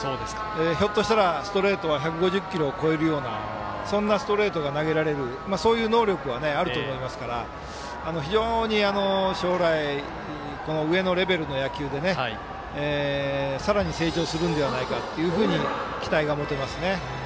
ひょっとしたらストレートは１５０キロを超えるようなそんなストレートが投げられるそういう能力はあると思いますから非常に将来、上のレベルの野球でさらに成長するんではないかというふうに期待が持てますね。